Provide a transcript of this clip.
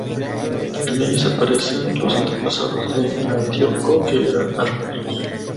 En ellas aparecen los antepasados de Antíoco, que eran armenios.